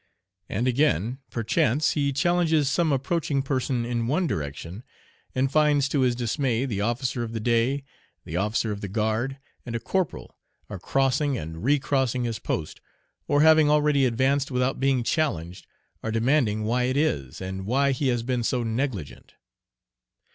And again, perchance, he challenges some approaching person in one direction, and finds to his dismay the officer of the day, the officer of the guard, and a corporal are crossing and recrossing his post, or having already advanced without being challenged, are demanding why it is, and why he has been so negligent.